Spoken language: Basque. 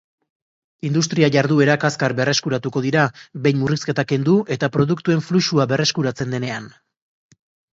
Industria-jarduerak azkar berreskuratuko dira, behin murrizketak kendu eta produktuen fluxua berreskuratzen denean.